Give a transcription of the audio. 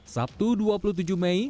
sabtu dua puluh tujuh mei